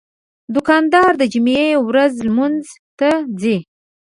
دوکاندار د جمعې ورځ لمونځ ته ځي.